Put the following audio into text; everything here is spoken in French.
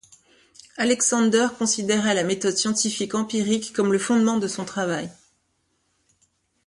Alexander considérait la méthode scientifique empirique comme le fondement de son travail.